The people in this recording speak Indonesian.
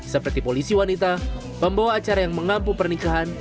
seperti polisi wanita pembawa acara yang mengampu pernikahan